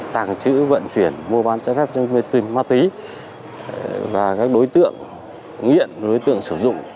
tạng chữ vận chuyển bộ bán chất lượng cho ma tuy và các đối tượng nghiện đối tượng sử dụng